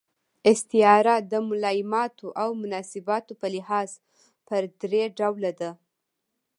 استعاره د ملایماتو او مناسباتو په لحاظ پر درې ډوله ده.